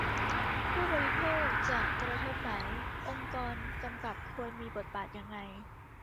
ผู้บริโภคจะกระทบไหม องค์กรกำกับควรมีบทบาทยังไง